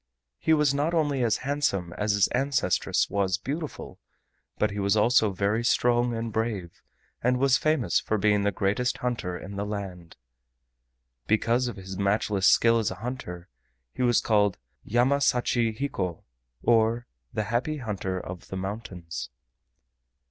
He was not only as handsome as his ancestress was beautiful, but he was also very strong and brave, and was famous for being the greatest hunter in the land. Because of his matchless skill as a hunter, he was called "Yama sachi hiko" or "The Happy Hunter of the Mountains."